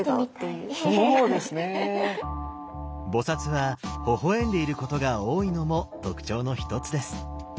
菩はほほ笑んでいることが多いのも特徴の一つです。